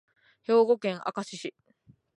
兵庫県明石市